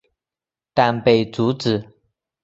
但被阻止。